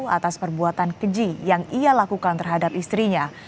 atas perbuatan keji yang ia lakukan terhadap istrinya